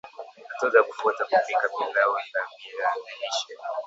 Hatua za kufuata kupika pilau la viazi lishe